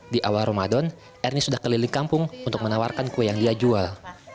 di awal ramadan ernie sudah keliling kampung untuk menawarkan kue yang dia jual